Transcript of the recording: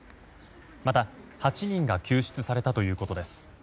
また、８人が救出されたということです。